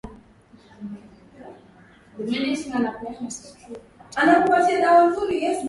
jumuia ilivyozaliwa na kufahamika kama Kanisa Kukutanika na